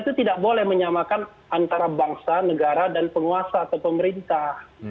itu tidak boleh menyamakan antara bangsa negara dan penguasa atau pemerintah